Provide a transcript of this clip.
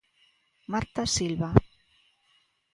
Marta Silva.